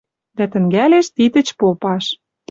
Дӓ тӹнгӓлеш Титыч попаш